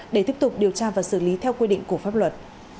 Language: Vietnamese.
để tiếp tục điều tra và xử lý theo quy định của pháp luật